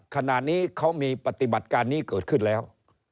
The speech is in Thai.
ขณะนี้เขามีปฏิบัติการนี้เกิดขึ้นแล้ว